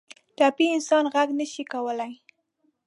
ټپي انسان غږ نه شي کولی.